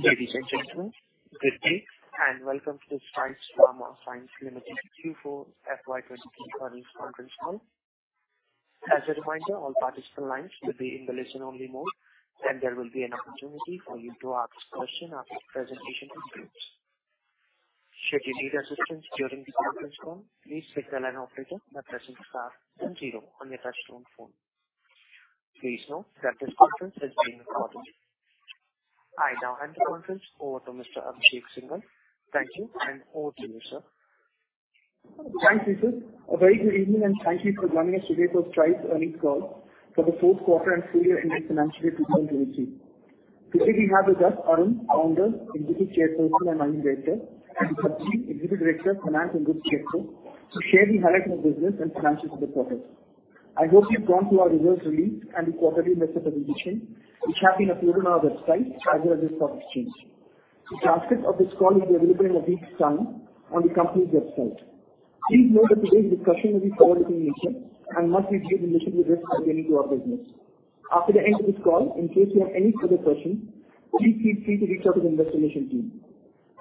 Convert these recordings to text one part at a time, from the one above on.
Ladies and gentlemen, good day, and welcome to the Strides Pharma Science Limited Q4 FY 2023 earnings conference call. As a reminder, all participant lines will be in the listen-only mode, and there will be an opportunity for you to ask questions after the presentation concludes. Should you need assistance during the conference call, please stick the line operator by pressing star then zero on your touch-tone phone. Please note that this conference is being recorded. I now hand the conference over to Mr. Abhishek Singhal. Thank you. Over to you, sir. Thanks, Yousuf. A very good evening, thank you for joining us today for Strides earnings call for the fourth quarter and full year ended financial results. Today we have with us Arun, Founder, Executive Chairperson, and Managing Director, and Badree, Executive Director, Finance and good chairman, to share the highlight of business and financial support. I hope you've gone through our results release and the quarterly method of addition, which have been uploaded on our website as well as the stock exchange. The transcript of this call will be available in a week's time on the company's website. Please note that today's discussion will be forward-looking nature and must be viewed in the risk relating to our business. After the end of this call, in case you have any further questions, please feel free to reach out to the investigation team.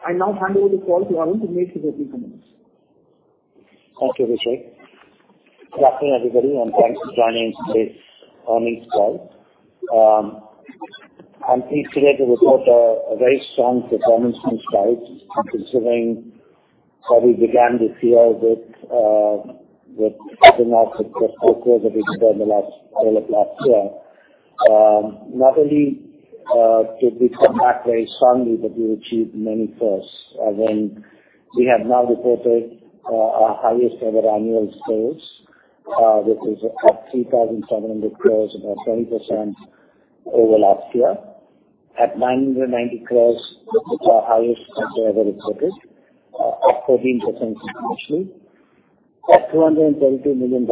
I now hand over the call to Arun to make his opening comments. Thank you, Abhishek. Good afternoon, everybody, thanks for joining today's earnings call. I'm pleased to report a very strong performance from Strides, considering how we began this year with the market that we saw in the last all of last year. Not only did we come back very strongly, but we achieved many firsts. When we have now reported our highest ever annual sales, which is at 3,700 crores, about 20% over last year. At 990 crores, it's our highest ever recorded up 14% initially. At $232 million,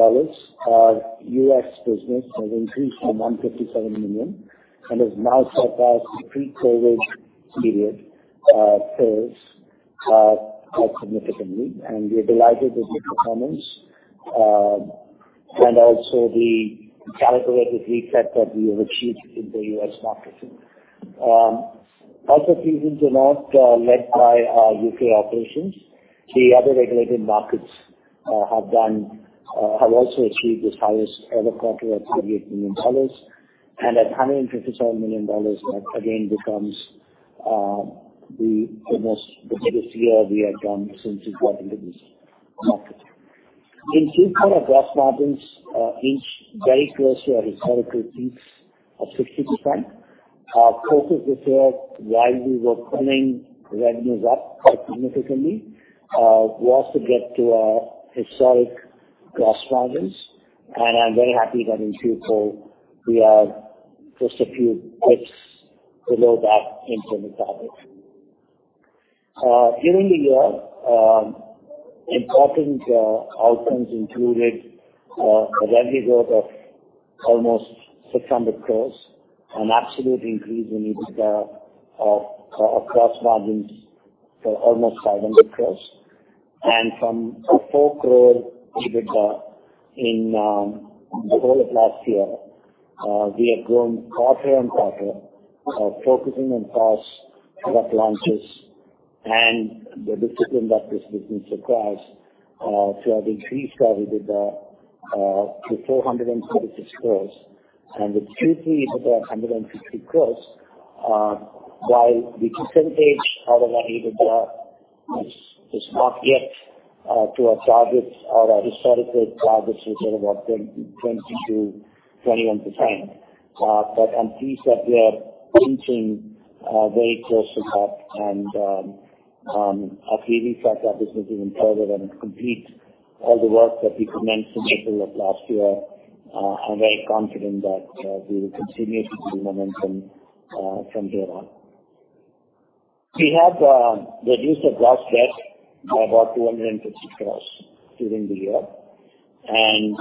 our U.S. business has increased from $157 million and has now surpassed the pre-COVID period sales quite significantly. We are delighted with the performance and also the calculated reset that we have achieved in the U.S. market. Also season to note, led by our U.K. operations, the other regulated markets have also achieved this highest ever quarter of $38 million. At $157 million, that again becomes the almost the best year we have done since we got into this market. In Q4, our gross margins inch very close to a historical peaks of 60%. Our focus this year, while we were pulling revenues up quite significantly, we also get to our historic gross margins, and I'm very happy that in Q4 we are just a few clicks below that in terms of profit. During the year, important outcomes included a revenue growth of almost 600 crores, an absolute increase in EBITDA of gross margins for almost 500 crores. From 4 crores EBITDA in the whole of last year, we have grown quarter-on-quarter, focusing on costs, product launches, and the discipline that this business requires, to have increased our EBITDA to 436 crores and with Q3 EBITDA, 160 crores. While the percentage, however, EBITDA is not yet to our targets or our historical targets, which are about 20%-21%. I'm pleased that we are inching very close to that and as we reset our business even further and complete all the work that we commenced in April of last year, I'm very confident that we will continue to build momentum from here on. We have reduced our gross debt by about 250 crores during the year, and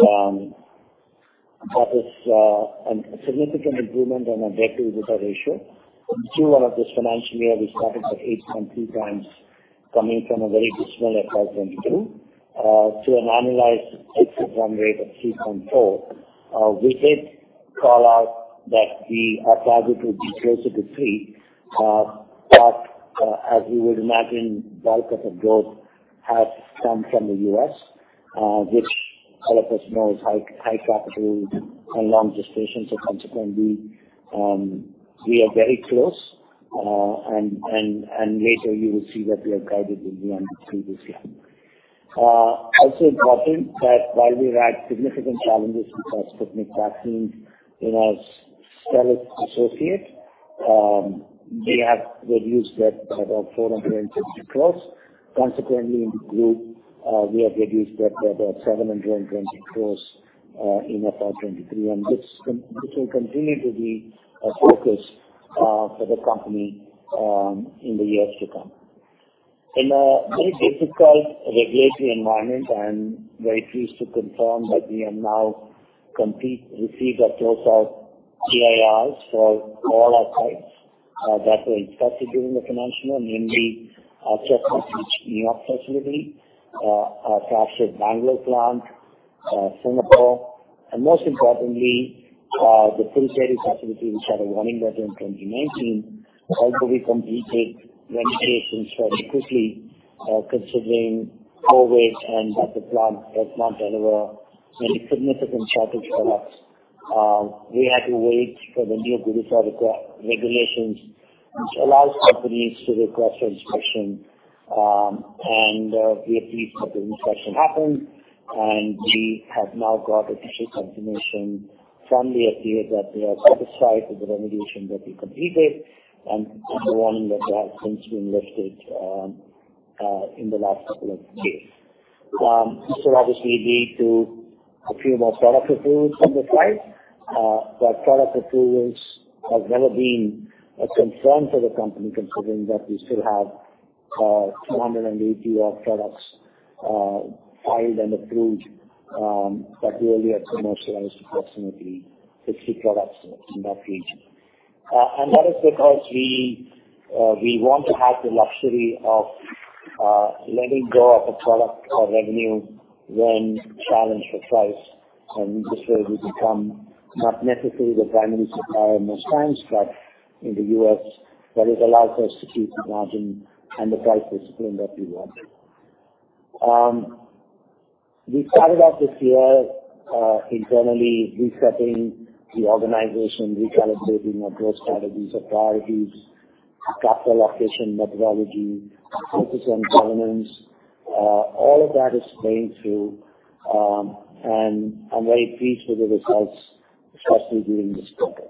that is a significant improvement on our debt-to-EBITDA ratio. Through all of this financial year, we started at 8.2x, coming from a very dismal at 5.2x, to an annualized fixed run rate of 3.4x. We did call out that our target would be closer to 3x, but as you would imagine, bulk of the growth has come from the U.S., which all of us know is high capital and long gestation. Consequently, we are very close, and later you will see that we are guided in the 3 this year. Also important that while we had significant challenges in Sputnik vaccine in our Stelis associate, we have reduced debt by about 460 crores. Consequently, in the group, we have reduced debt by about 720 crores in FY 2023, and this will continue to be a focus for the company in the years to come. In a very difficult regulatory environment, I'm very pleased to confirm that we have now received a closeout PIRs for all our sites that were impacted during the financial year, namely our checklist facility, our captured Bangalore plant, Singapore, and most importantly, the facility, which had a warning letter in 2019. We completed renovations very quickly, considering COVID and other plants does not deliver any significant shortage for us. We had to wait for the new regulations, which allows companies to request for inspection. We believe that the inspection happened, and we have now got official confirmation from the FDA that they are satisfied with the remediation that we completed and the warning letter has since been lifted in the last couple of days. This will obviously lead to a few more product approvals on the site, but product approvals have never been a concern for the company, considering that we still have 280 odd products filed and approved, but we only have commercialized approximately 60 products in that region. That is because we want to have the luxury of letting go of a product or revenue when challenged for price. This way we become not necessarily the primary supplier most times, but in the U.S., that has allowed us to keep the margin and the price discipline that we want. We started off this year, internally resetting the organization, recalibrating our growth strategies, priorities, capital allocation methodology, focus on governance. All of that is going through. I'm very pleased with the results, especially during this quarter.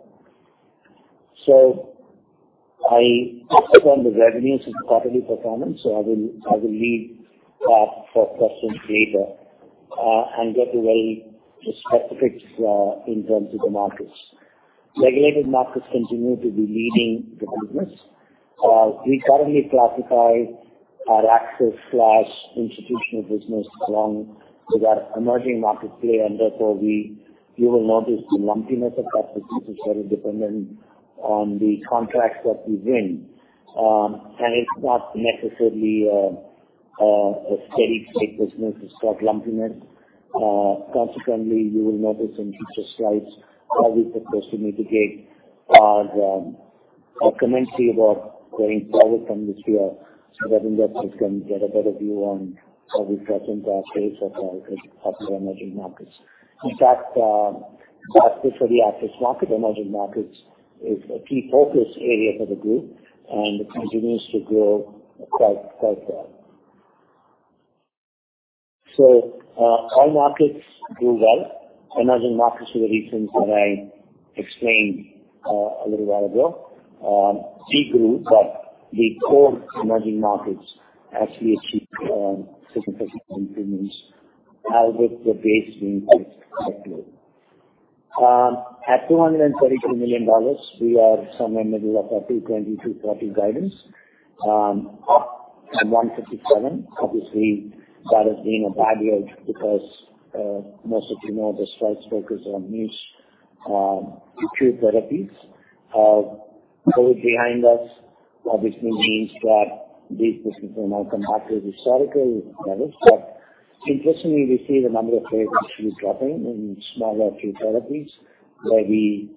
I touched on the revenues and quarterly performance, I will leave that for questions later and get away to specifics in terms of the markets. Regulated markets continue to be leading the business. We currently classify our access/institutional business along with our emerging market play, therefore, you will notice the lumpiness of that, which is very dependent on the contracts that we win. It's not necessarily a steady state business. It's got lumpiness. Consequently, you will notice in future slides how we propose to mitigate or commenced about going forward from this year that investors can get a better view on how we present our case of our emerging markets. In fact, specifically access market, emerging markets is a key focus area for the group and it continues to grow quite well. All markets do well. Emerging markets for the reasons that I explained a little while ago. C grew, but the core emerging markets actually achieved 6% improvements, although the base being fixed. At $232 million, we are somewhere in the middle of our $220 million-$230 million guidance up from $157 million. Obviously, that has been a backload because most of you know, the Strides focus on niche two therapies. Code behind us obviously means that the business will now come back to historical levels, but interestingly, we see the number of patients dropping in smaller two therapies where we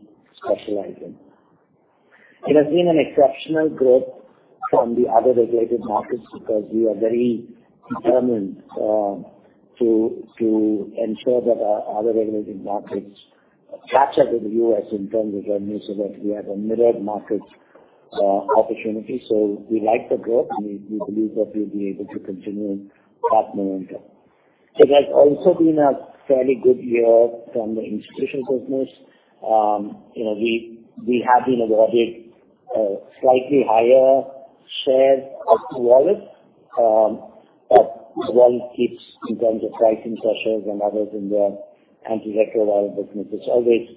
specialize in. It has been an exceptional growth from the other regulated markets because we are very determined to ensure that our other regulated markets catch up with the U.S. in terms of revenue, so that we have a myriad market opportunity. We like the growth, and we believe that we'll be able to continue that momentum. It has also been a fairly good year from the institutional business. You know, we have been awarded slightly higher share of wallet, but the world keeps in terms of pricing pressures and others in the antiretroviral business. It's always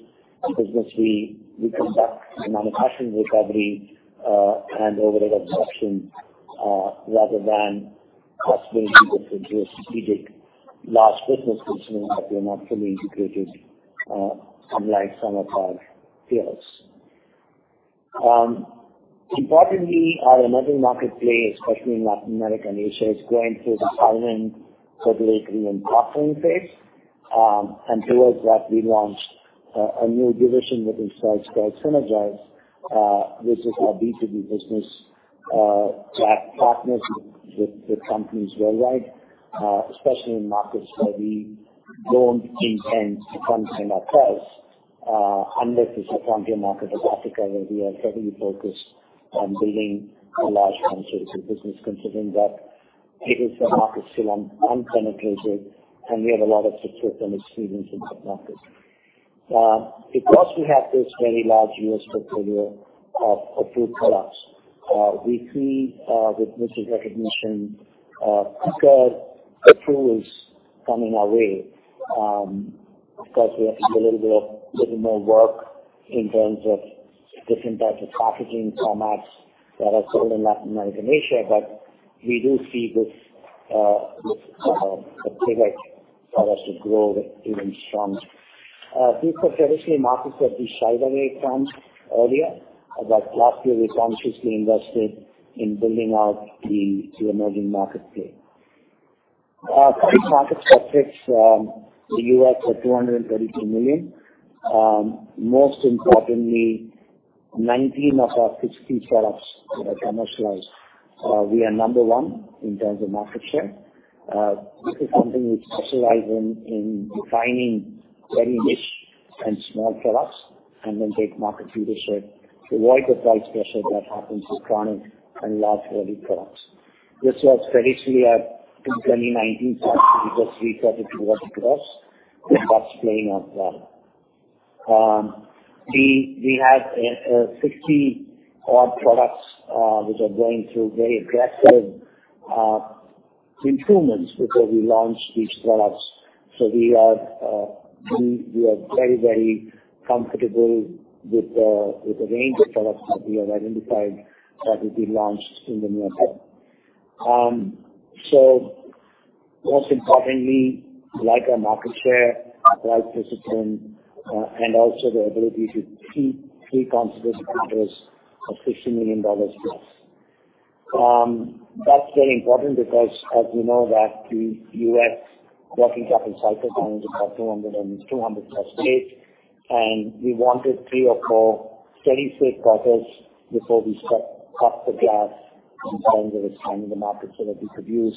business. We come back to manufacturing recovery and overall absorption rather than possibly into a strategic large business concerning that we are not fully integrated unlike some of our peers. Importantly, our emerging market play, especially in Latin America and Asia, is going through the filing, regulatory and offering phase. Towards that, we launched a new division within Strides called Synergize, which is our B2B business, to have partners with companies worldwide, especially in markets where we don't intend to come and sell ourselves, unless it's a frontier market like Africa, where we are heavily focused on building a large cancer business, considering that it is a market still unpenetrated and we have a lot of success and experience in such markets. Because we have this very large U.S. portfolio of food products, we see with this recognition, because approval is coming our way, because we have to do a little more work in terms of different types of packaging formats that are sold in Latin America and Asia. We do see this private products to grow even stronger. These were traditionally markets that we shied away from earlier, but last year we consciously invested in building out the emerging market play. Current market subjects, the U.S. are $232 million. Most importantly, 19 of our 60 products are commercialized. We are number one in terms of market share. This is something we specialize in defining very niche and small products and then take market leadership to avoid the price pressure that happens in chronic and large volume products. This was traditionally at in 2019 because we thought it was products, and that's playing out well. We have 60 odd products which are going through very aggressive improvements before we launch these products. We are very comfortable with the range of products that we have identified that will be launched in the near term. Most importantly, like our market share, price discipline, and also the ability to keep considerable of $50 million+. That's very important because as we know that the U.S. working capital cycle is about 200 and 200+ days, and we wanted three or four steady state products before we step off the gas in terms of expanding the market so that we could use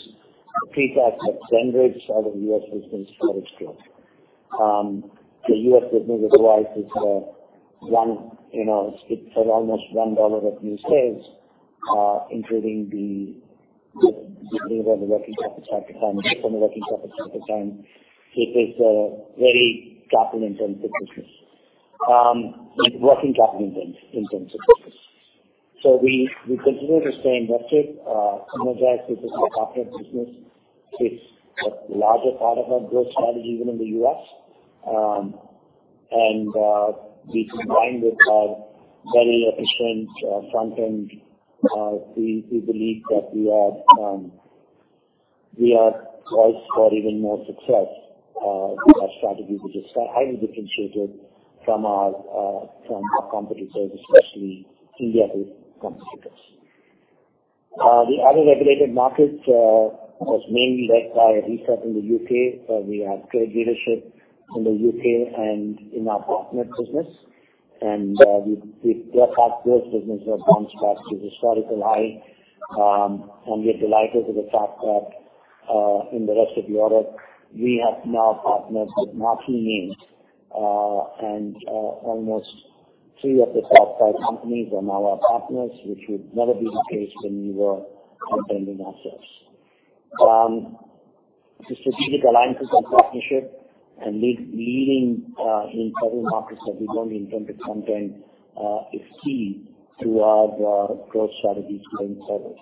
the pre-tax at Zenrich out of U.S. business storage store. The U.S. business wise is, one, you know, it's for almost $1 of new sales, including the working capital cycle time. From a working capital cycle time, it is, very capital-intensive business, working capital intense business. We continue to stay invested, energize business partner business. It's a larger part of our growth strategy, even in the U.S. We combined with our very efficient front-end, we believe that we are poised for even more success with our strategy, which is highly differentiated from our competitors, especially India-based competitors. The other regulated markets was mainly led by research in the U.K. So we have trade leadership in the U.K. and in our partner business. Our partner business have bounced back to historical high. And we're delighted with the fact that in the rest of the order, we have now partnered with marquee names, and almost three of the top five companies are now our partners, which would never be the case when we were attending ourselves. The strategic alliances and partnership and leading in several markets that we go into content is key to our growth strategy going forward.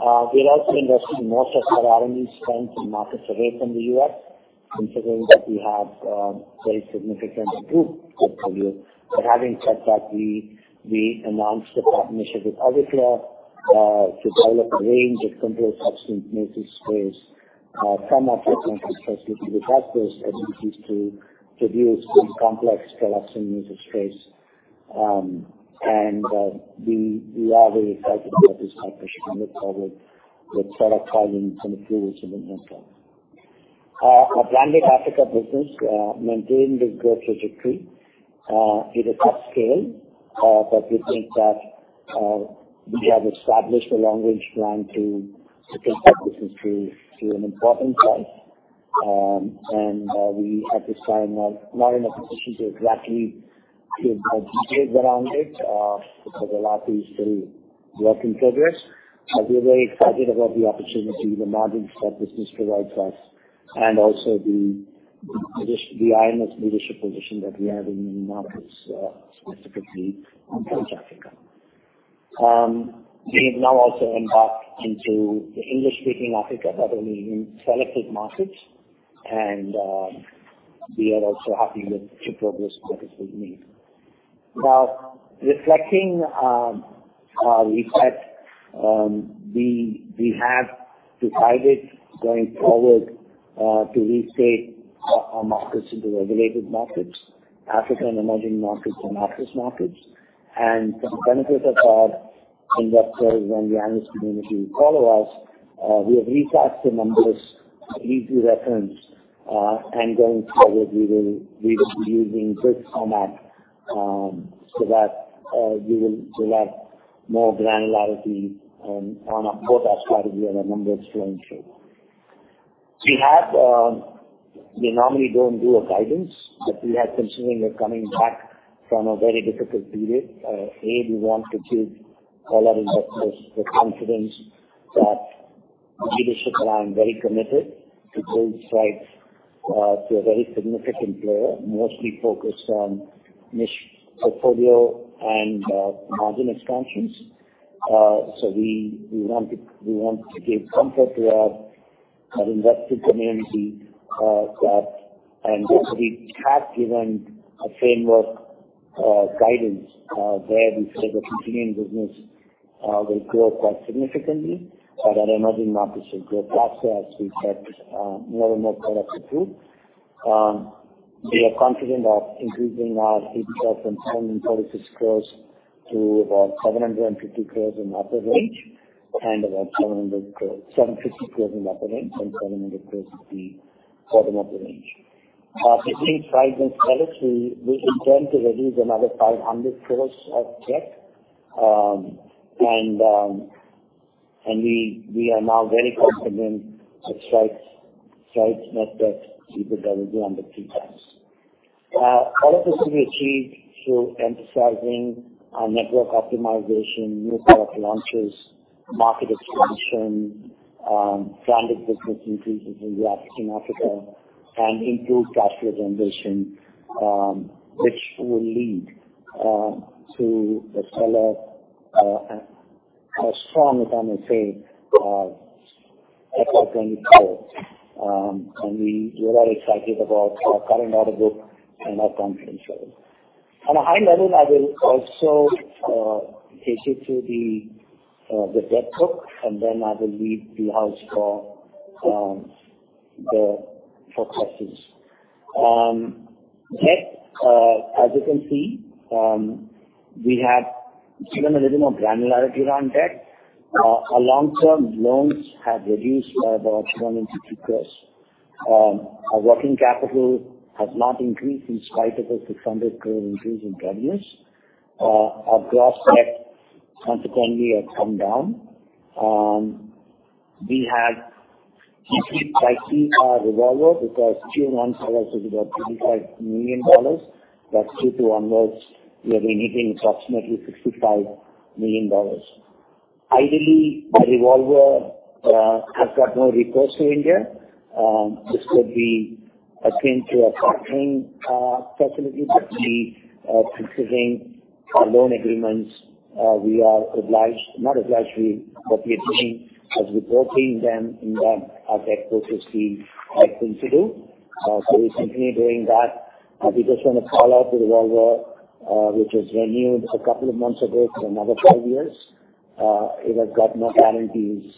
We're also investing most of our energy strength in markets away from the U.S., considering that we have very significant group portfolio. Having said that, we announced a partnership with Aviclar to develop a range of complex vaccine use case from our technical trust, which we have those agencies to produce these complex products and use case. We are very excited about this partnership and look forward with product filing in a few weeks in advance. Our Planet Africa business maintained the growth trajectory. It is upscale, but we think that we have established a long range plan to take that business to an important place. We at this time are not in a position to exactly give details around it because a lot is still work in progress. We're very excited about the opportunity, the margins that business provides us and also the position, the IMS leadership position that we have in many markets, specifically in East Africa. We have now also embarked into the English-speaking Africa, not only in selected markets and we are also happy with the progress that this will need. Now, reflecting, we have decided going forward to restate our markets into regulated markets, African emerging markets and office markets. For the benefit of our investors and the analyst community who follow us, we have restocked the numbers, easy reference, and going forward, we will be using this format, so that, we will have more granularity and on both our strategy and the numbers going through. We normally don't do a guidance, but we are considering we're coming back from a very difficult period. A, we want to give all our investors the confidence that leadership and I are very committed to build Strides, to a very significant player, mostly focused on niche portfolio and, margin expansions. So we want to give comfort to our investor community, that and we have given a framework guidance, where we say the continuing business will grow quite significantly. Our emerging markets will grow faster as we get more and more products approved. We are confident of increasing our 87,736 crores to about 750 crores in upper range, and about 750 crores in upper range, and 700 crores the bottom of the range. Between price and products, we intend to reduce another 500 crores of debt. We are now very confident that Strides net debt will be under 3x. All of this will be achieved through emphasizing our network optimization, new product launches, market expansion, branded business increases in Africa, and improved cash flow generation, which will lead to a seller, a strong, if I may say, outcome code. We're very excited about our current order book and our confidence level. On a high level, I will also take you through the debt hook, and then I will leave the house for questions. Debt, as you can see, we have given a little more granularity around debt. Our long-term loans have reduced by about 750 crores. Our working capital has not increased in spite of a 600 crores increase in revenues. Our gross debt consequently has come down. We had pricing our revolver, because two months ago, it was about $35 million, but due to onwards, we have been hitting approximately $65 million. Ideally, the revolver has got no recourse to India. This could be akin to a short-term facility, but we, considering our loan agreements, we are obliged, not obliged to, but we are doing as reporting them in that our debt versus the like things to do. We're simply doing that. We just want to call out to the revolver, which was renewed a couple of months ago for another five years. It has got no guarantees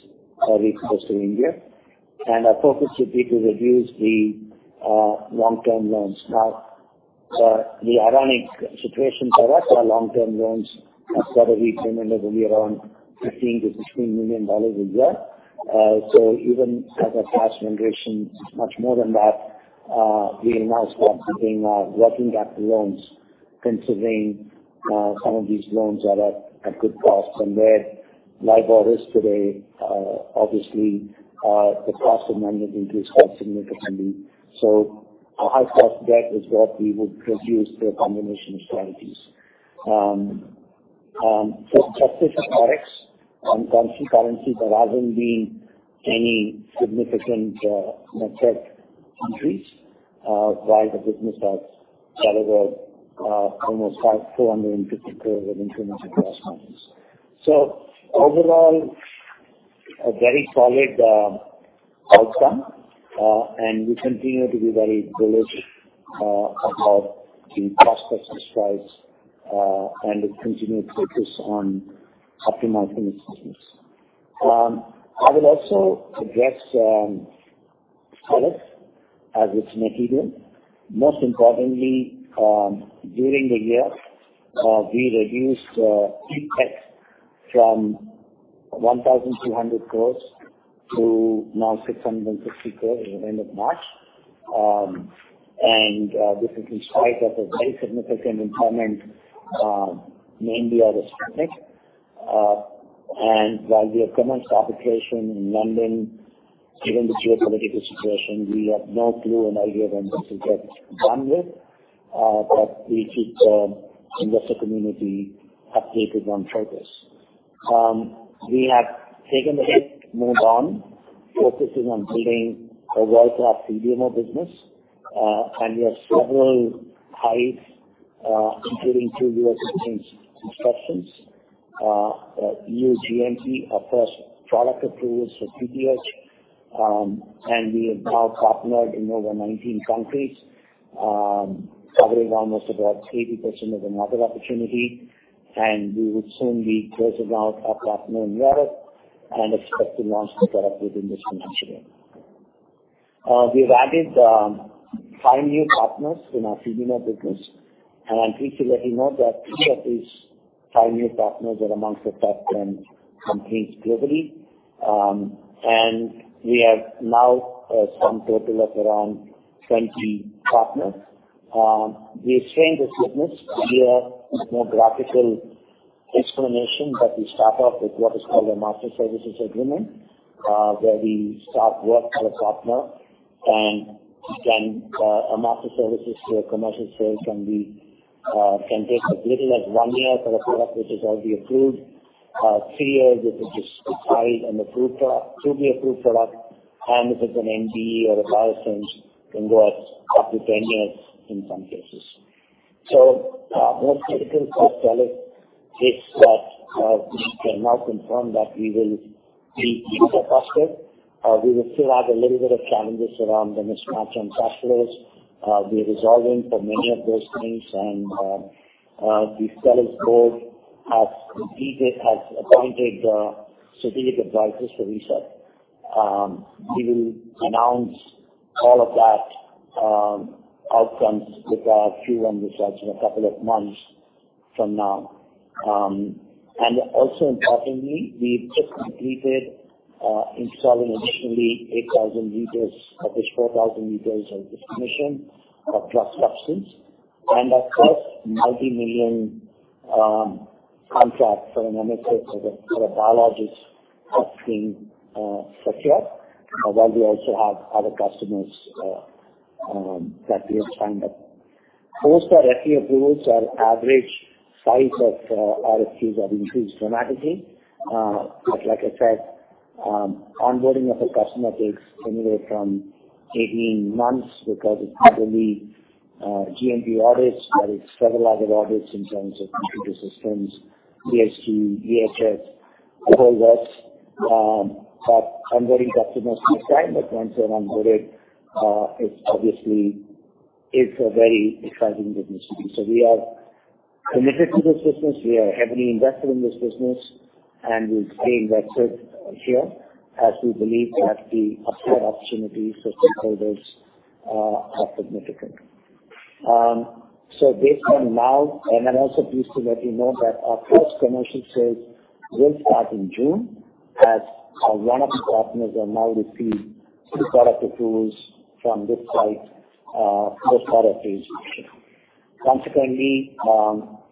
or recourse to India, and our focus would be to reduce the long-term loans. Now, the ironic situation for us, our long-term loans have got a repayment of only around $15 million-$16 million a year. Even as our cash generation is much more than that, we are now concentrating on working capital loans, considering, some of these loans are at good costs. Where liability is today, obviously, the cost of money has increased quite significantly. Our high cost of debt is what we would produce through a combination of strategies. So justice and products on currency, there hasn't been any significant, net debt increase, while the business has delivered, almost INR 450 crores of incremental gross margins. overall, a very solid outcome, and we continue to be very bullish about the cost versus price, and the continued focus on optimizing the business. I will also address product as it's material. Most importantly, during the year, we reduced CapEx from 1,200 crores to now 660 crores at the end of March. This is in spite of a very significant impairment, mainly on the specific. While we have commenced arbitration in London, given the geopolitical situation, we have no clue or idea when this is get done with, but we keep the investor community updated on progress. We have taken the hit, moved on, focusing on building a world-class CDMO business, and we have several highs, including 2 U.S. inspections. EU, GMT, our first product approvals for PDH. We have now partnered in over 19 countries, covering almost about 80% of another opportunity, and we would soon be closing out our partner in Europe and expect to launch the product within this financial year. We've added 5 new partners in our CDMO business, and I'm pleased to let you know that 3 of these 5 new partners are amongst the top 10 companies globally. We have now some total of around 20 partners. We've changed the business. We have more graphical explanation, but we start off with what is called a master services agreement, where we start work for a partner, and then, a master services to a commercial sale can be, can take as little as one year for the product, which is already approved, three years, which is high, and the approved product, should be approved product, and if it's an ND or a biosim, can go up to 10 years in some cases. It's that we can now confirm that we will be even faster. We will still have a little bit of challenges around the mismatch on customers. We're resolving for many of those things and, we sell as both, have completed, have appointed, strategic advisors for research. We will announce all of that outcomes with our Q1 results in a couple of months from now. Also importantly, we just completed installing additionally 8,000L of this 4,000L of commission of plus substance and, of course, multimillion contract for an MSP for the biologist of being secured, while we also have other customers that we have signed up. Post our FDA approvals, our average size of RFPs have increased dramatically. Like I said, onboarding of a customer takes anywhere from 18 months because it's not only GMP audits, but it's several other audits in terms of computer systems, PHG, EHS, all that. I'm very optimistic this time that once they're onboarded, it's obviously is a very exciting business to be. We are committed to this business, we are heavily invested in this business, and we'll stay invested here as we believe that the upward opportunities for stakeholders are significant. Based on now, I'm also pleased to let you know that our first commercial sales will start in June, as one of the partners are now receiving two product approvals from this site, this product registration. Consequently, while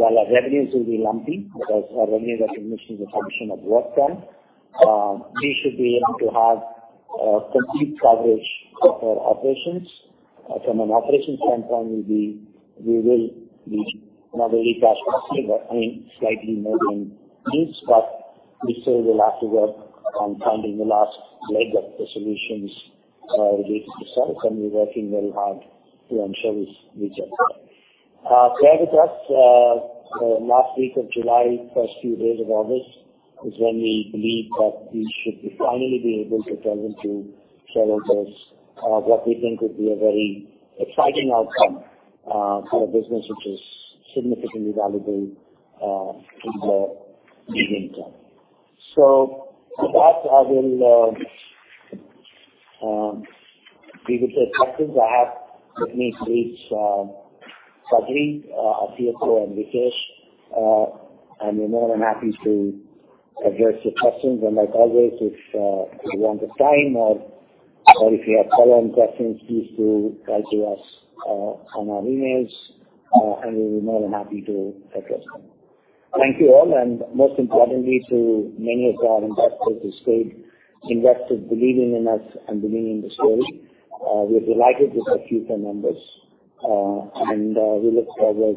our revenues will be lumpy because our revenue recognition is a function of work done, we should be able to have a complete coverage of our operations. From an operations standpoint, we will be not very cash positive, I mean, slightly more than this, but we still will have to work on finding the last leg of the solutions related to sales, and we're working very hard to ensure we succeed. Bear with us, last week of July, first few days of August, is when we believe that we should finally be able to tell you to sell those, what we think would be a very exciting outcome for a business which is significantly valuable in the medium term. With that, I will, we will take questions. I have with me, please, Badree, our CFO, and Vikesh, and we're more than happy to address your questions. Like always, if you want the time or if you have follow-on questions, please do write to us on our emails, and we'll be more than happy to address them. Thank you all, and most importantly, to many of our investors who stayed invested, believing in us and believing in the story. We're delighted with our future numbers, and we look forward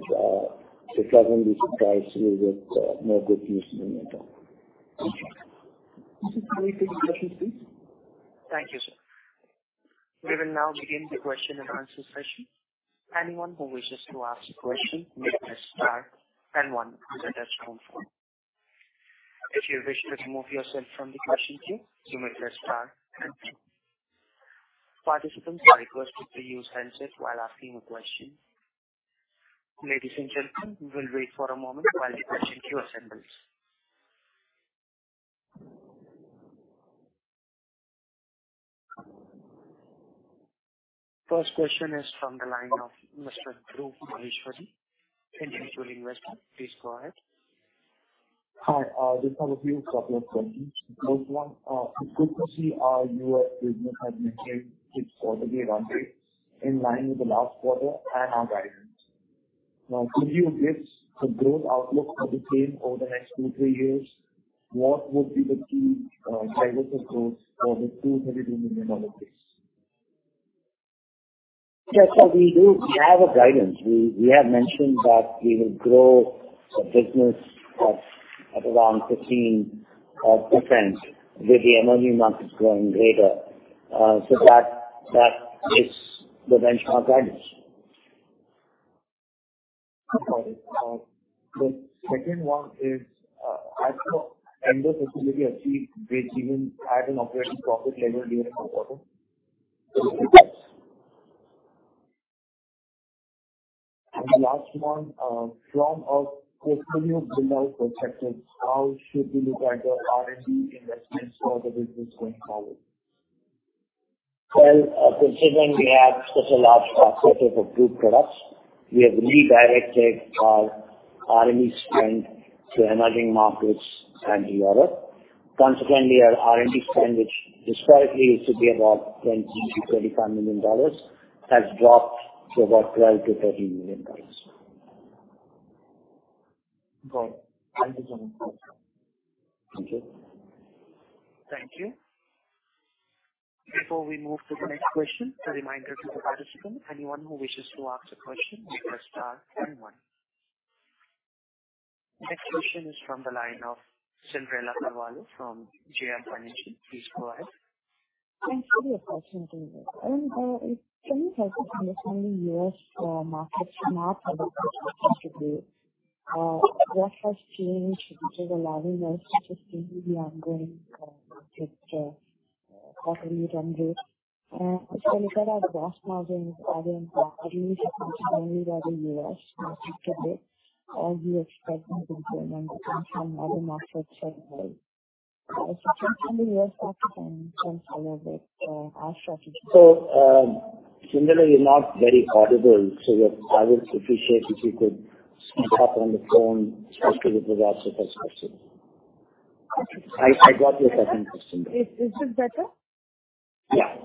to pleasantly surprise you with more good news in the near term. Please proceed with the questions, please. Thank you, sir. We will now begin the question and answer session. Anyone who wishes to ask a question, may press star and one on their phone. If you wish to remove yourself from the question queue, you may press star and two. Participants are requested to use handsets while asking a question. Ladies and gentlemen, we will wait for a moment while the question queue assembles. First question is from the line of Mr. Dhruv Maheshwari, Individual Investor. Please go ahead. Hi, just have a few couple of questions. First one, frequency, our U.S. business has maintained its quarterly run rate in line with the last quarter and our guidance. Could you give the growth outlook for the same over the next two, three years? What would be the key drivers of growth for the $200 million base? Yes, we do have a guidance. We have mentioned that we will grow the business at around 15%, with the emerging markets growing greater. That is the benchmark guidance. Okay. The second one is, has the Endo facility achieved, which even had an operating profit level during the quarter? The last one, from a portfolio builder perspective, how should we look at the R&D investments for the business going forward? Well, considering we have such a large portfolio of group products, we have redirected our R&D spend to emerging markets and Europe. Consequently, our R&D spend, which historically used to be about $20 million-$25 million, has dropped to about $12 million-$13 million. Got it. I understand. Thank you. Thank you. Before we move to the next question, a reminder to the participant, anyone who wishes to ask a question, press star then one. Next question is from the line of Cyndrella Carvalho from JM Financial. Please go ahead. Can you help us understand the U.S. market, not what has changed which is allowing us to sustain the ongoing market quarterly run rate? If you look at our gross margins, are they primarily by the U.S. market today, are you expecting them to come from other markets as well? Can you tell me your thoughts and tell us a little bit, our strategy? Cyndrella, you're not very audible, so I would appreciate if you could speak up on the phone, especially with regards to first question. Okay. I got your second question. Is this better? Yeah.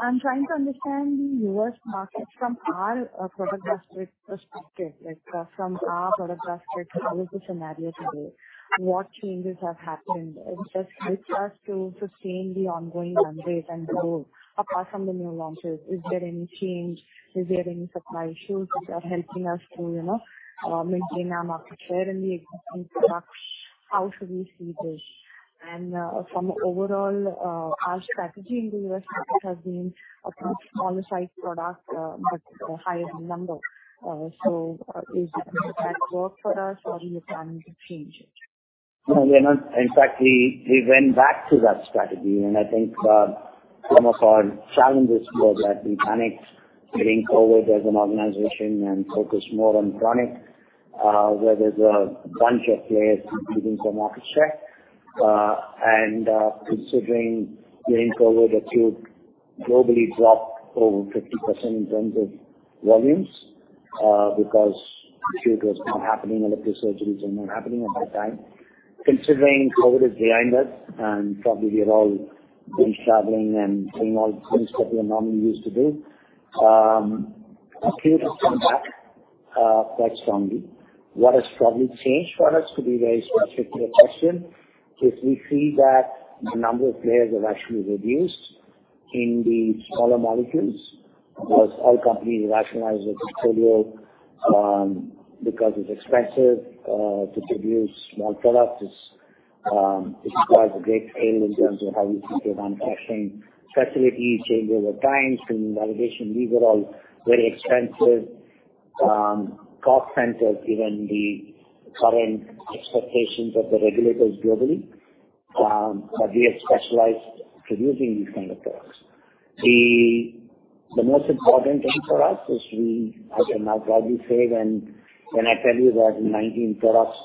I'm trying to understand the U.S. market from our product basket perspective. Like, from our product basket, how is the scenario today? What changes have happened, and just with us to sustain the ongoing run rate and grow apart from the new launches, is there any change? Is there any supply issues which are helping us through, you know, maintaining our market share in the existing products? How should we see this? From overall, our strategy in the U.S. market has been a pretty smaller size product, but higher in number. Is that work for us or do you plan to change it? No, we are not. In fact, we went back to that strategy, and I think some of our challenges were that we panicked during COVID as an organization and focused more on chronic, where there's a bunch of players losing some market share. Considering during COVID, the tube globally dropped over 50% in terms of volumes, because surgery was not happening, electro surgeries were not happening at that time. Considering COVID is behind us, and probably we have all been traveling and doing all the things that we normally used to do, appear to come back quite strongly. What has probably changed for us, to be very specific to your question, is we see that the number of players have actually reduced in the smaller molecules, because all companies rationalized their portfolio, because it's expensive to produce small products. It requires a great scale in terms of how you keep your manufacturing facilities changing over time, doing validation. These are all very expensive cost centers, given the current expectations of the regulators globally, but we are specialized producing these kind of products. The most important thing for us is I can now proudly say when I tell you that in 19 products,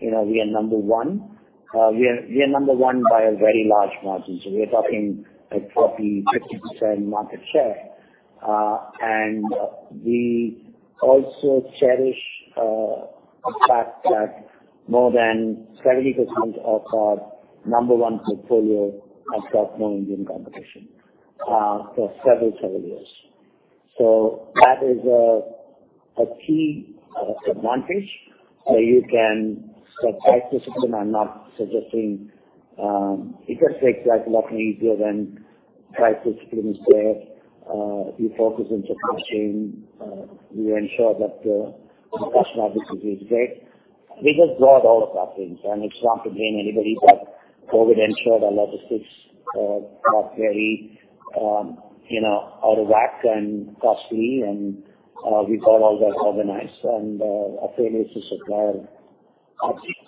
you know, we are number one, we are number one by a very large margin, so we're talking like 40%-50% market share. We also cherish the fact that more than 70% of our number one portfolio have got no Indian competition for several years. That is a key advantage, so you can set price discipline. I'm not suggesting, it just makes life a lot easier when price discipline is there. If you focus on supply chain, we ensure that customer service is great. We just got all of that things, and it's not to blame anybody, but COVID ensured our logistics got very, you know, out of whack and costly and we got all that organized. Our failures to supply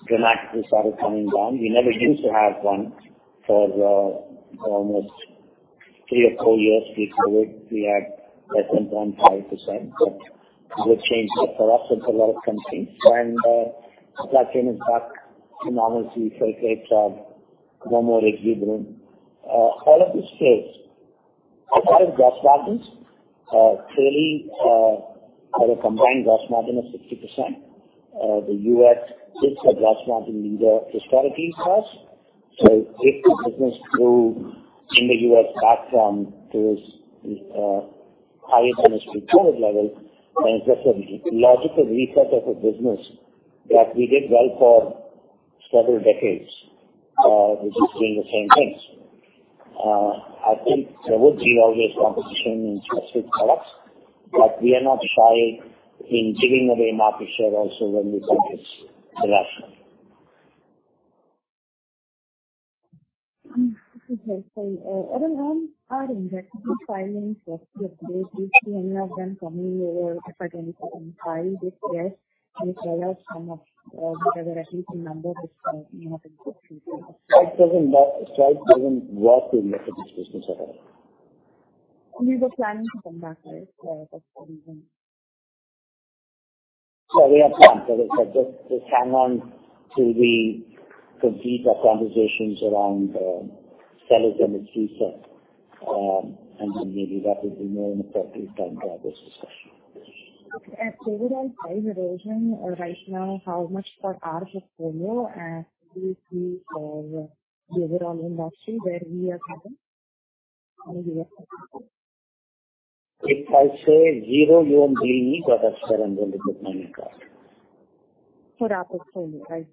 dramatically started coming down. We never used to have one for almost three or four years before COVID. We had less than 0.5%. It changed it for us and for a lot of companies. Supply chain is back to normalcy, so it's more regular. All of this says a lot of gross margins, clearly, have a combined gross margin of 60%. The U.S. is a gross margin leader historically for us. If the business grew in the U.S. back from this, higher industry COVID level, then it's just a logical reset of a business that we did well for several decades, which is doing the same things. I think there would be always competition in specific products, we are not shy in giving away market share also when we think it's rational. Okay. Arun, on our injectable filings, what's the update? Do you see any of them coming over if I can file this year? Can you tell us some of, at least the number, which are not. Strides doesn't work in this business at all. We were planning to come back, right? For 41. We have plans, but just hang on to the deeper conversations around Stelis and the CSU, and then maybe that would be more an appropriate time to have this discussion. Okay. overall time erosion, right now, how much for our portfolio and do you see the overall industry where we are having...? If I say zero, you won't believe me, but I'm sure I'm going to put money back. For rapid portfolio, right?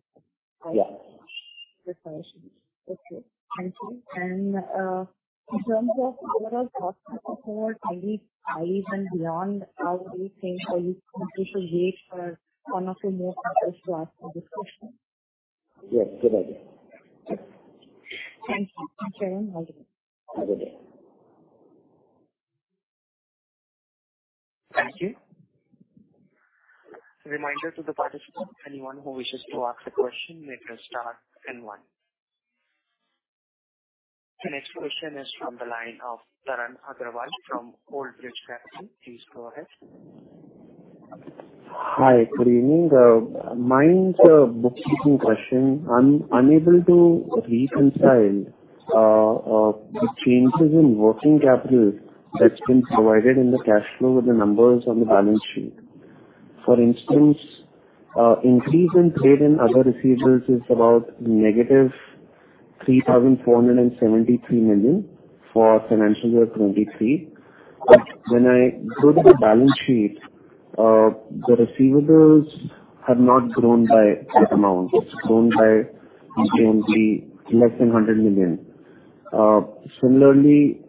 Yeah. Okay, thank you. In terms of overall thoughts for highly and beyond, how do you think we should wait for one or two more quarters to ask the question? Yes, good idea. Thank you. Thank you, Arun. Have a good day. Have a good day. Thank you. Reminder to the participant, anyone who wishes to ask a question, may press star then one. The next question is from the line of Tarang Agrawal from Old Bridge Capital. Please go ahead. Hi, good evening. mine's a bookkeeping question. I'm unable to reconcile the changes in working capital that's been provided in the cash flow with the numbers on the balance sheet. For instance, increase in trade and other receivables is about -3,473 million for financial year 2023. When I go to the balance sheet, the receivables have not grown by that amount, it's grown by maybe less than 100 million. Similarly,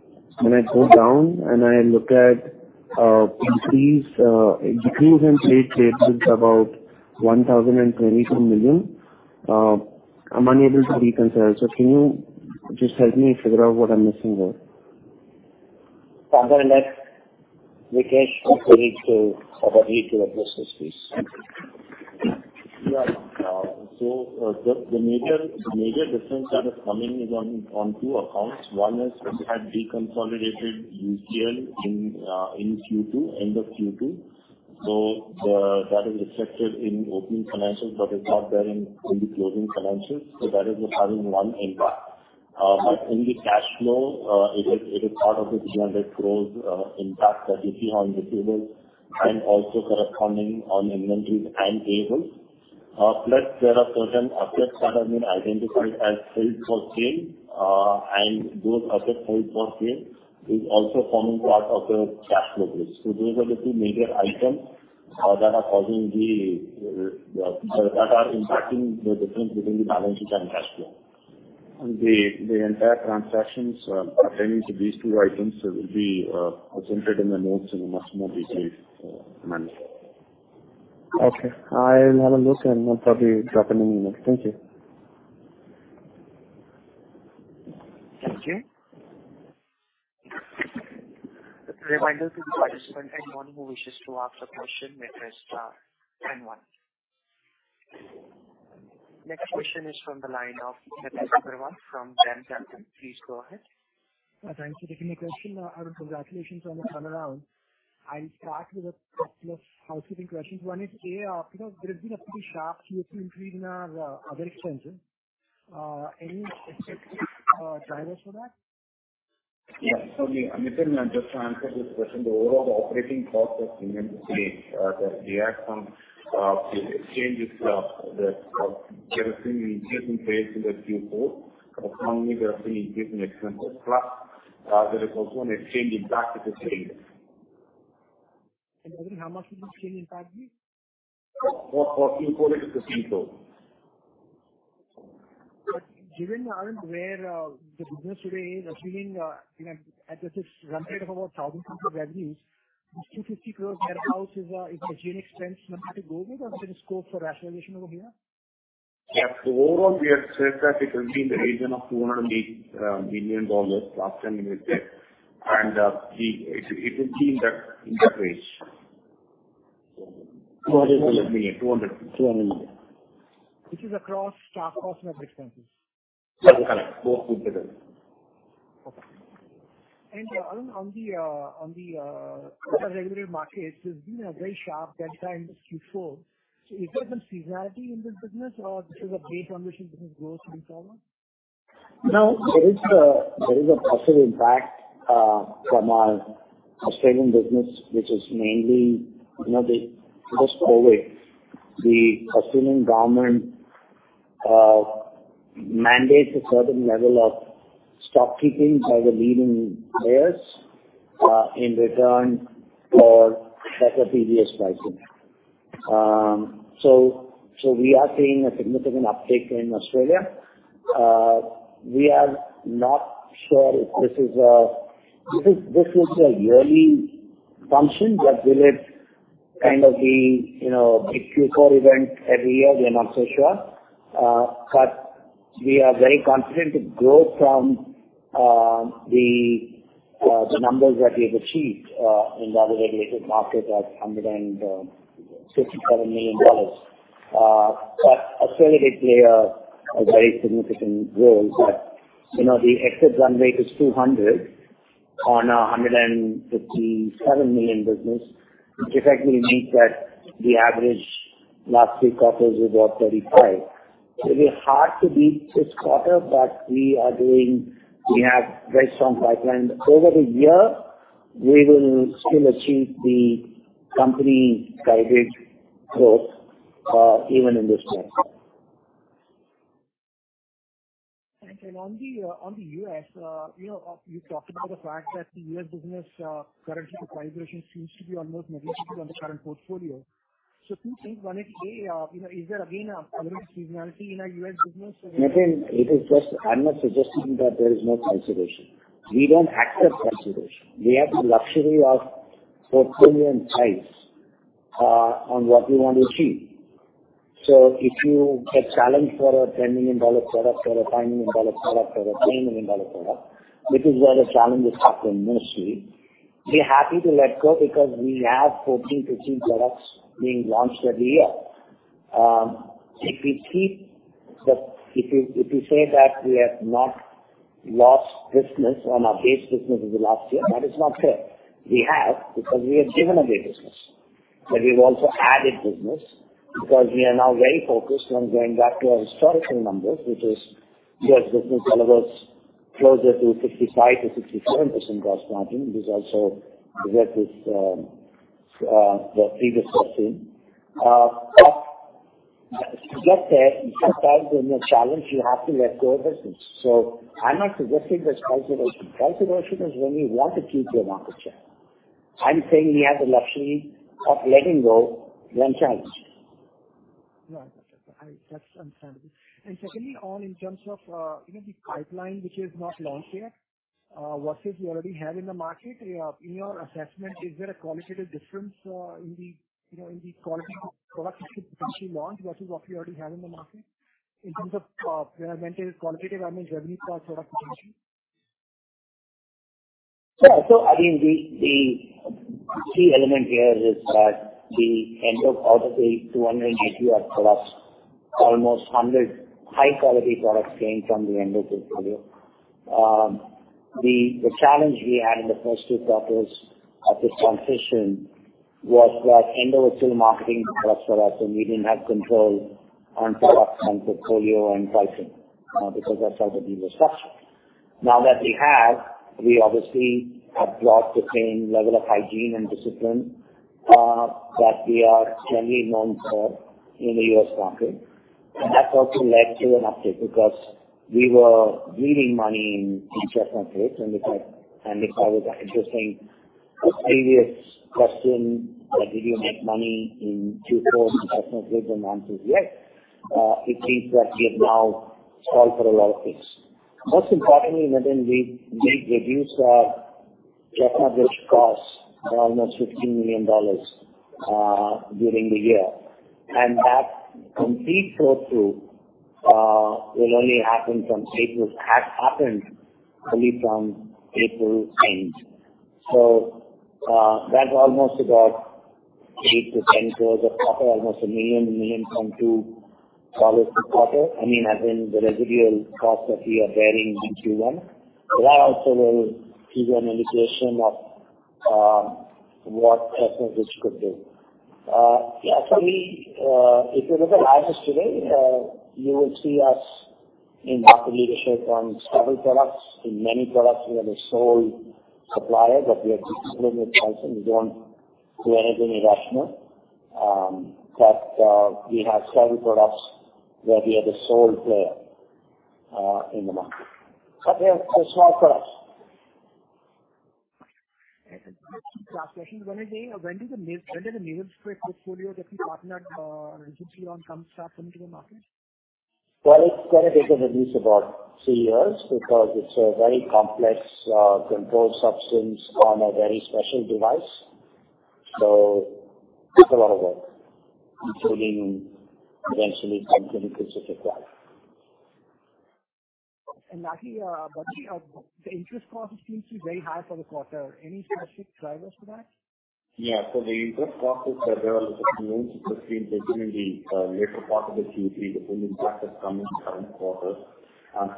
when I go down and I look at increase decrease in trade payables about 1,022 million, I'm unable to reconcile. Can you just help me figure out what I'm missing there? Tarang.. that Vikesh also needs to, probably need to address this, please. The major difference that is coming is on two accounts. One is we had deconsolidated UCL in Q2, end of Q2. That is reflected in opening financials, but it's not there in the closing financials. That is having one impact. In the cash flow, it is part of the 300 crores impact that you see on receivables and also corresponding on inventories and able. There are certain assets that have been identified as held for sale, and those assets held for sale is also forming part of the cash flow base. Those are the two major items that are causing the that are impacting the difference between the balance sheet and cash flow. The entire transactions pertaining to these two items will be presented in the notes in a much more detailed manner. Okay. I'll have a look and I'll probably drop an email. Thank you. Thank you. Reminder to the participant, anyone who wishes to ask a question, press star then one. Next question is from the line of Nitin Agarwal from DAM Capital. Please go ahead. Thanks for taking the question. Arun, congratulations on the turnaround. I'll start with a couple of housekeeping questions. One is, A, you know, there has been a pretty sharp Q3 increase in our other expenses. Any expected drivers for that? Nitin, just to answer this question, the overall operating cost of today, that we had some changes, that we have seen increase in sales in the Q4. Primarily, we have seen increase in expenses, plus, there is also an exchange impact at the same. Arun, how much is the exchange impact be? For Q4, it is INR 15 crores. Given, Arun, where the business today is achieving, you know, at this run rate of about INR 1,000 crores revenues, this 250 crores more or less is the general expense number to go with or is there a scope for rationalization over here? Overall, we have said that it will be in the region of $200 million, plus or minus debt. It will be in that range. $200 million. $200 million. This is across staff cost and other expenses? Yeah, correct. Both together. Okay. Arun, on the on the other regulated markets, there's been a very sharp downtime in Q4. Is there some seasonality in this business or this is a base on which business growth will follow? No, there is a positive impact from our Australian business, which is mainly, you know, the post-COVID. The Australian government mandates a certain level of stock keeping by the leading players in return for better previous pricing. We are seeing a significant uptake in Australia. We are not sure if this is a yearly function, but will it kind of be, you know, a Q4 event every year? We are not so sure. We are very confident to grow from the numbers that we have achieved in the regulated markets at $167 million. Australia did play a very significant role, you know, the exit run rate is $200 million on a $157 million business, which effectively means that the average last three quarters is about $35 million. It'll be hard to beat this quarter. We have very strong pipelines. Over the year, we will still achieve the company's guided growth, even in this quarter. On the, on the U.S., you know, you talked about the fact that the U.S. business, currently the calibration seems to be almost negative on the current portfolio. 2 things, one is, hey, you know, is there again, a little seasonality in our U.S. business? Nitin, I'm not suggesting that there is no consideration. We don't act as consideration. We have the luxury of portfolio and choice on what we want to achieve. If you get challenged for a $10 million product or a $5 million product or a $1 million product, which is where the challenge is happening mostly, we're happy to let go because we have 14 to 15 products being launched every year. If you say that we have not lost business on our base business in the last year, that is not fair. We have, because we have given away business, but we've also added business because we are now very focused on going back to our historical numbers, which is business levels closer to 55%-67% gross margin. This also reflects the previous 14. Just there, sometimes when you're challenged, you have to let go of business. I'm not suggesting that consideration. Consideration is when you want to keep your market share. I'm saying we have the luxury of letting go when challenged. Right. That's understandable. Secondly, on in terms of, you know, the pipeline which is not launched yet, versus you already have in the market, in your assessment, is there a qualitative difference, in the, you know, in the quality of products you could potentially launch versus what we already have in the market in terms of when I mention qualitative, I mean, revenue for product potential? Again, the key element here is that the Endo out of the 288 products, almost 100 high quality products came from the Endo portfolio. The challenge we had in the first 2 quarters of this transition was that Endo was still marketing the products for us, so we didn't have control on product on portfolio and pricing, because that's how the deal was structured. Now that we have, we obviously have brought the same level of hygiene and discipline that we are generally known for in the U.S. market. That's also led to an uptick, because we were needing money in different places. If I was interesting, the previous question, like, did you make money in Q4? The personal answer is yes. It means that we have now solved for a lot of things. Most importantly, Nitin, we reduced our check average costs by almost $15 million during the year, and that complete flow-through will only happen from April. Has happened only from April end. That's almost about 8%-10% of quarter, almost $1 million-$1.2 million per quarter. I mean, as in the residual cost that we are bearing in Q1. That also will give you an indication of what Stelis could do. Yeah, for me, if you look at us today, you will see us in market leadership on several products. In many products, we are the sole supplier, but we are disciplined with pricing. We don't do anything irrational. We have several products where we are the sole player in the market. They are so small products. Last question. When did the Neuraxpharm portfolio that we partnered recently on some stuff come into the market? It's going to take at least about three years because it's a very complex controlled substance on a very special device. It's a lot of work, including eventually clinicals, if required. Nitin, the interest cost seems to be very high for the quarter. Any specific drivers for that? The interest costs are there between the later part of the Q3, the coming quarter.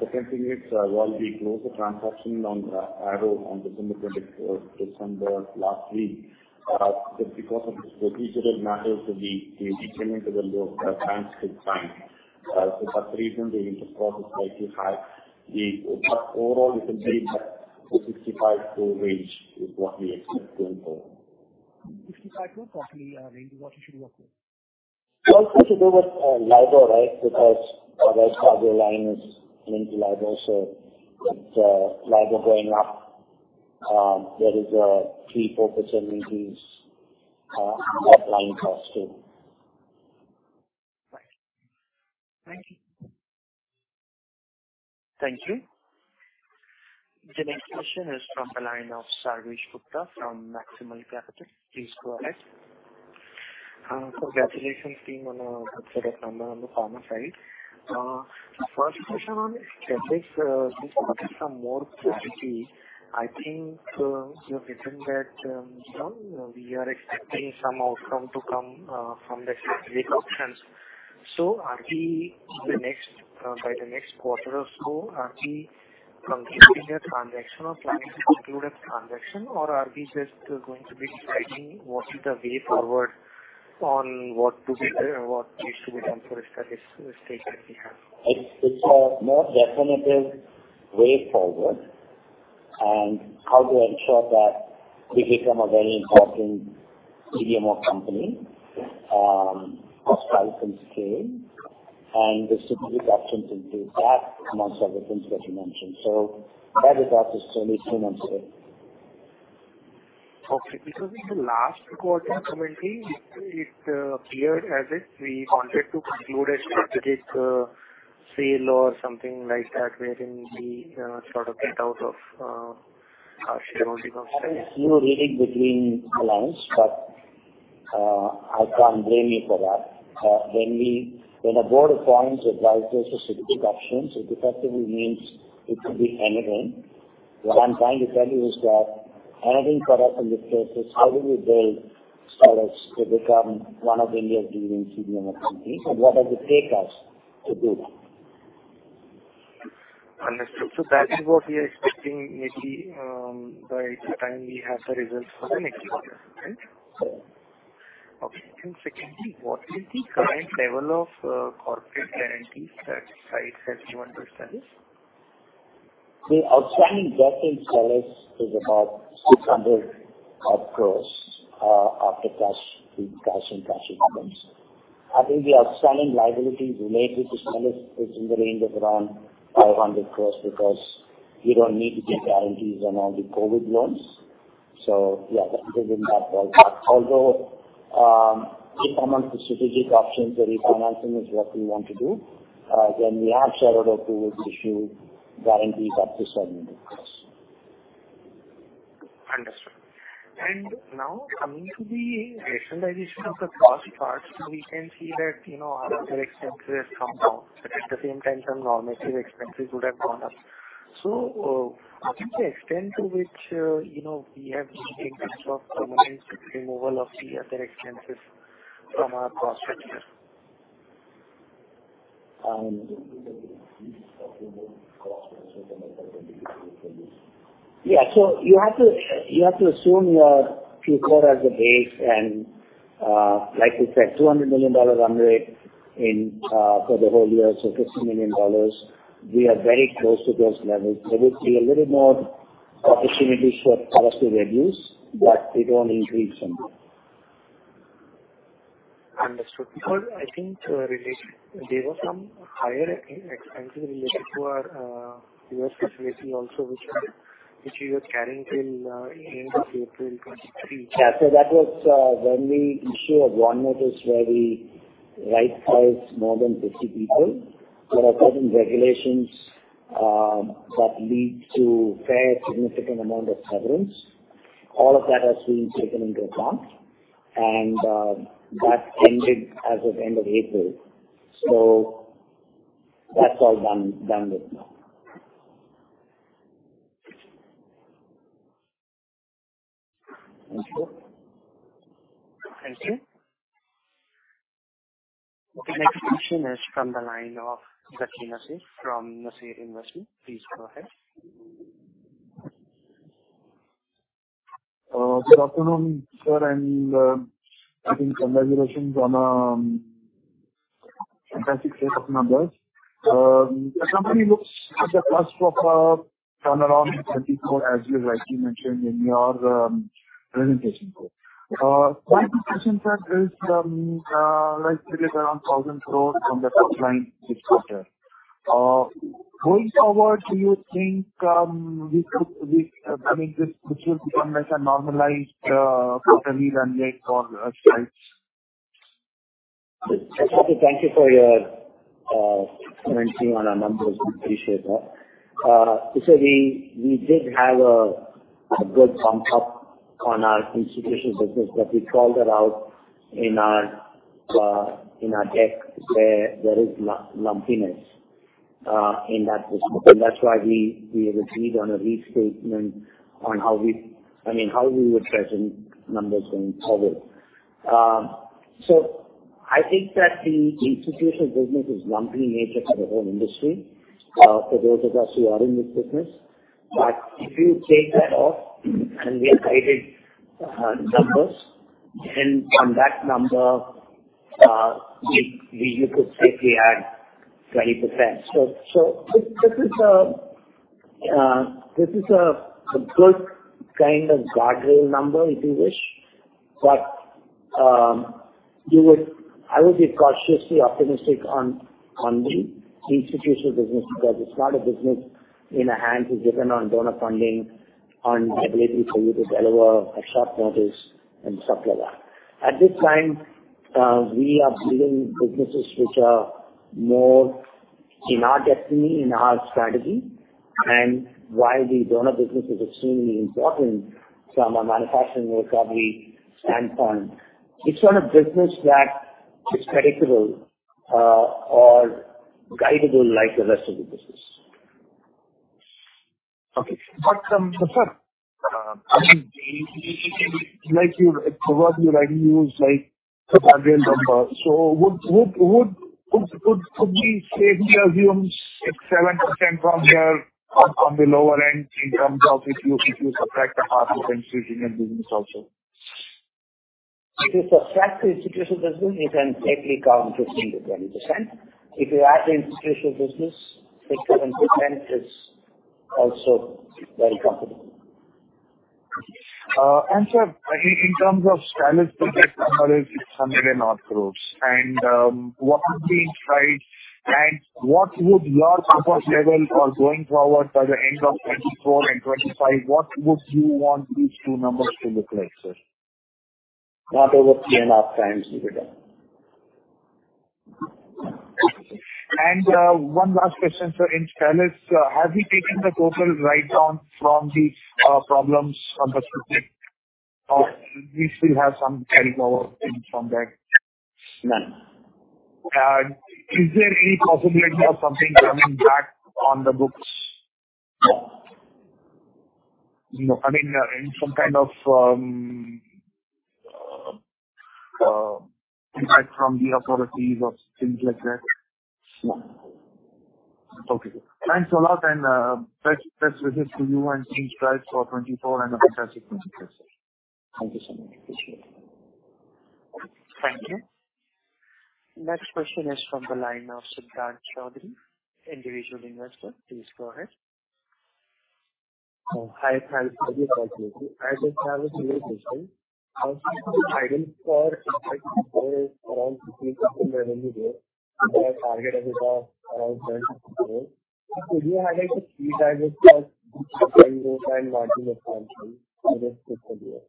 Second thing is, while we close the transaction on Arrow on December 24, December last week, because of the procedural matters, we determined the low time, for that reason, the interest cost is likely high. Overall, you can say that the 65 to range is what we expect going forward. 65 to roughly range what you should work with. It's also to do with LIBOR, right? Our line is linked to LIBOR. It's LIBOR going up. There is a 3%-4% increase that line cost too. Right. Thank you. Thank you. The next question is from the line of Sarvesh Gupta from Maximal Capital. Please go ahead. Congratulations team on a good set of number on the pharma side. First question on this, just to get some more clarity. I think, you've written that, you know, we are expecting some outcome to come from the strategic options. Are we the next, by the next quarter or so, are we completing a transaction or planning to conclude a transaction, or are we just going to be deciding what is the way forward on what to do, what needs to be done for a strategic mistake that we have? It's a more definitive way forward and how to ensure that we become a very important CDMO company, of scale, and the strategic options include that amongst other things that you mentioned. That is what is only two months away. Okay. In the last quarter commentary, it appeared as if we wanted to conclude a strategic sale or something like that, wherein we sort of get out of our shareholding of Stelis. You reading between the lines, but I can't blame you for that. When a board appoints advisors for strategic options, it effectively means it could be anything. What I'm trying to tell you is that anything but up in this case is how do we build Stelis to become one of India's leading CDMO companies, and what does it take us to do that? Understood. That is what we are expecting, maybe, by the time we have the results for the next quarter, right? Yes. Okay. Secondly, what is the current level of corporate guarantees that Strides has given to Stelis? The outstanding debt in Stelis is about 600 crores after cash, the cash and cash equivalents. I think the outstanding liabilities related to Stelis is in the range of around 500 crores because you don't need to give guarantees on all the COVID loans. Yeah, that gives him that well. Although, if among the strategic options, the refinancing is what we want to do, then we have shareholder approval to issue guarantees up to 70 crores. Understood. Now coming to the rationalization of the cost part, we can see that, you know, our other expenses have come down, but at the same time, some normative expenses would have gone up. To the extent to which, you know, we have taken stock to manage removal of the other expenses from our cost structure. Yeah. You have to, you have to assume, Q4 as a base and, like we said, $200 million run rate in, for the whole year, so $50 million. We are very close to those levels. There is still a little more opportunity for us to reduce, but they don't increase them. Understood. I think, related, there were some higher expenses related to our, U.S. facility also, which we were carrying till, end of April 2023. Yeah. That was when we issued a warn notice where we right-sized more than 50 people. There are certain regulations that lead to fair, significant amount of severance. All of that has been taken into account, that ended as of end of April. That's all done with now. Thank you. The next question is from the line of [Zaki Nasir], from [Nasir Investments]. Please go ahead. Good afternoon, sir, and I think congratulations on fantastic set of numbers. The company looks at the cusp of a turnaround in 2024, as you rightly mentioned in your presentation. My question, sir, is, right, it is around 1,000 crores from the top line this quarter. Going forward, do you think this could be, I mean, this will become like a normalized quarterly run rate for Stelis? Thank you for your commenting on our numbers. I appreciate that. We did have a good bump up on our institutional business, but we called it out in our in our deck, where there is lumpiness in that business. That's why we agreed on a restatement on how we, I mean, how we would present numbers going forward. I think that the institutional business is lumpy in nature for the whole industry, for those of us who are in this business. If you take that off and we guided numbers, then on that number, we could safely add 20%. This is a, this is a good kind of guardrail number, if you wish. I would be cautiously optimistic on the institutional business, because it's not a business in a hand, it's dependent on donor funding, on the ability for you to deliver a short notice and stuff like that. At this time, we are building businesses which are more in our destiny, in our strategy, and while the donor business is extremely important from a manufacturing recovery standpoint, it's not a business that is predictable or guidable like the rest of the business. Sir, I mean, like you, the word you rightly used, like the guardrail number. Could we safely assume it's 7% from here on the lower end in terms of if you subtract the institutional business also? If you subtract the institutional business, you can safely count 15%-20%. If you add the institutional business, 7% is also very comfortable. Sir, in terms of Stelis, the net number is INR 7 million odd crores. What would be right, and what would your comfort level for going forward by the end of 2024 and 2025, what would you want these two numbers to look like, sir? not over 3.5x EBITDA. One last question, sir, in Stelis, have we taken the total write down from the problems of the specific, or we still have some carry power from that? None. Is there any possibility of something coming back on the books? No. I mean, in some kind of impact from the authorities or things like that? No. Okay. Thanks a lot, and best wishes to you and team Strides for 2024 and a fantastic success. Thank you so much. Appreciate it. Thank you. Next question is from the line of Siddhant Chaudhary, individual investor. Please go ahead. Hi, thank you. I just have a quick question. For around revenue here, the target is around 10. Could you highlight the key drivers for and margin expansion for this fiscal year?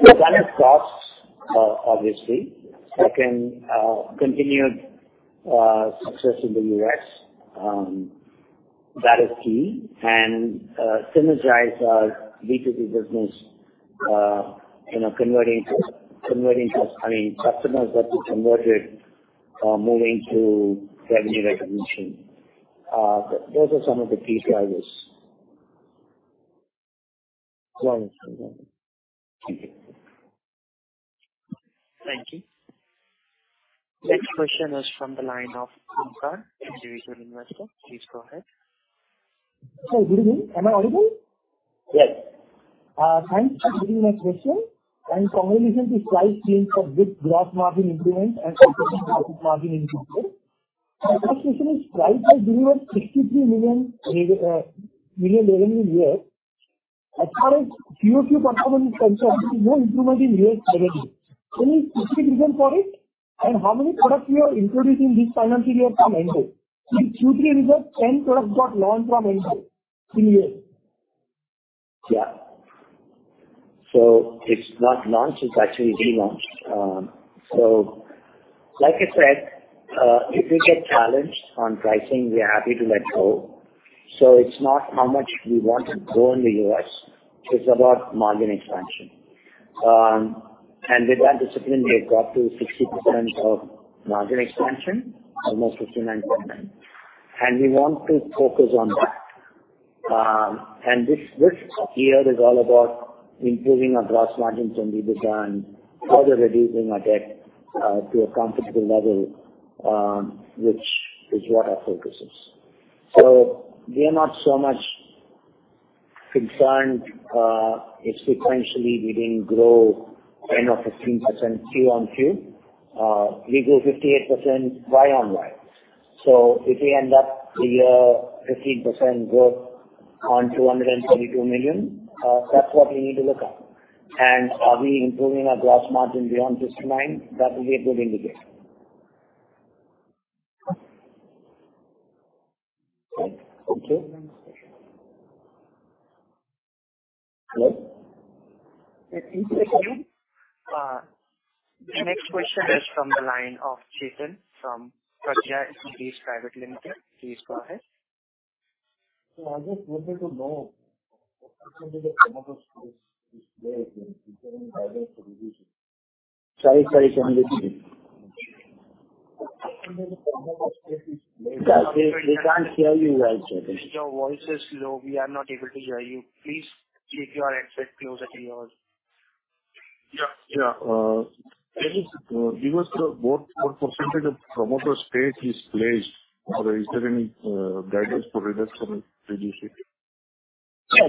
One is costs, obviously. Second, continued success in the U.S., that is key. Synergize our B2B business, you know, converting to, I mean, customers that we converted, moving to revenue recognition. Those are some of the key drivers. Well, thank you. Thank you. Next question is from the line of Shankar, individual investor. Please go ahead. Good evening. Am I audible? Yes. Thanks for taking my question. Congratulations to Strides teams for good gross margin improvement and margin improvement. My first question is, Strides has delivered $63 million revenue in U.S. As far as QOQ performance is concerned, there is no improvement in U.S. revenue. Any specific reason for it? How many products you are introducing this financial year from Endo? In Q3 results, 10 products got launched from Endo in U.S. It's not launched, it's actually relaunched. Like I said, if we get challenged on pricing, we are happy to let go. It's not how much we want to grow in the U.S., it's about margin expansion. With that discipline, we have got to 60% of margin expansion, almost 59.9%, we want to focus on that. This year is all about improving our gross margins and EBITDA and further reducing our debt to a comfortable level, which is what our focus is. We are not so much concerned if sequentially we didn't grow 10% or 15% quarter-over-quarter. We grew 58% year-over-year. If we end up the year 15% growth on $232 million, that's what we need to look at. Are we improving our gross margin beyond 59%? That will be a good indicator. Okay. Hello? The next question is from the line of Jason from Private Limited. Please go ahead. I just wanted to know what % of promoter space is there? Sorry. We can't hear you well, Jason. Your voice is low. We are not able to hear you. Please keep your headset closer to your... Yeah. Can you, give us the what % of promoter stake is placed or is there any guidance to reduce it? Yeah.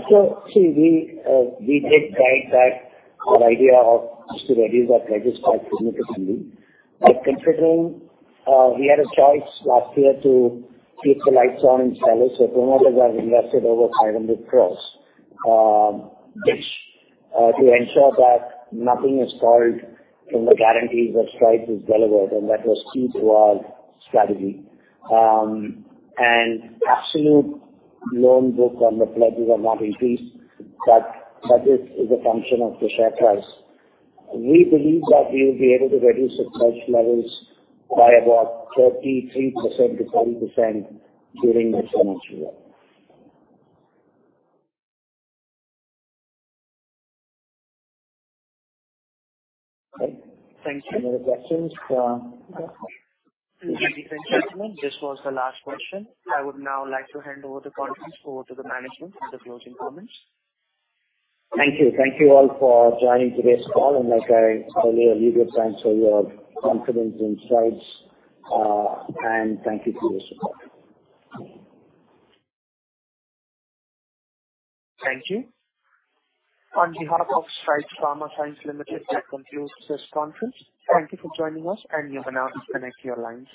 See we did guide back our idea of to reduce our pledges quite significantly. By considering, we had a choice last year to keep the lights on in Stelis. Promoters have invested over 500 crores, which to ensure that nothing is stalled from the guarantees that Strides has delivered, that was key to our strategy. Absolute loan book on the pledges are not increased, that is a function of the share price. We believe that we will be able to reduce the pledge levels by about 33%-40% during this financial year. Thank you. Any other questions? Thank you, gentlemen. This was the last question. I would now like to hand over the conference over to the management for the closing comments. Thank you. Thank you all for joining today's call, and like I told you, a little thanks for your confidence in Strides, and thank you for your support. Thank you. On behalf of Strides Pharma Science Limited, that concludes this conference. Thank you for joining us, and you may now disconnect your lines.